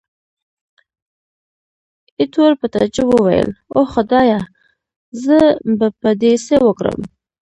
ایټور په تعجب وویل، اوه خدایه! زه به په دې څه وکړم.